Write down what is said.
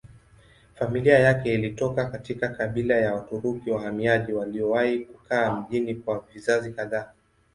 Familia yake ilitoka katika kabila ya Waturuki wahamiaji waliowahi kukaa mjini kwa vizazi kadhaa.